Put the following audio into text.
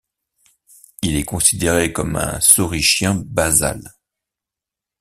Il est considéré comme un saurischien basal.